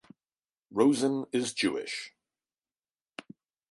Rosen is Jewish.